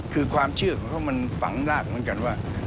คือความเชื่อของเขามันฝังรากเหมือนกันว่า